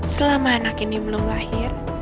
selama anak ini belum lahir